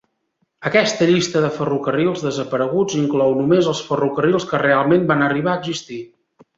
Aquesta llista de ferrocarrils desapareguts inclou només els ferrocarrils que realment van arribar a existir.